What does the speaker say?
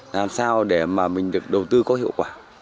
làm sao để mà mình được đầu tư có hiệu quả